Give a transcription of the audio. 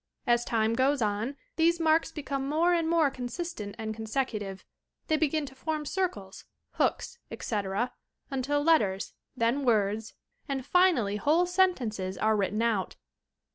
As time goes on, these marks become more and more consistent and consecutive. They begin to form circles, hooks, etc., until letters, then words, and finally whole sen tences are written out.